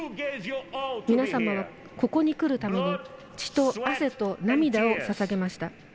皆様はここに来るために血と汗と涙をささげました。